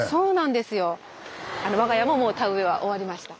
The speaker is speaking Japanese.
我が家ももう田植えは終わりました。